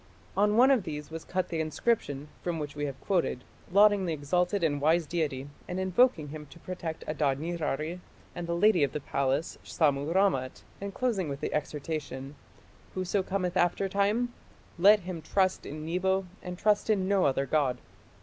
On one of these was cut the inscription, from which we have quoted, lauding the exalted and wise deity and invoking him to protect Adad nirari and the lady of the palace, Sammu rammat, and closing with the exhortation, "Whoso cometh in after time, let him trust in Nebo and trust in no other god".